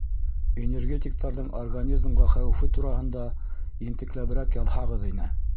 Энергетиктарҙың организмға хәүефе тураһында ентекләберәк яҙһағыҙ ине.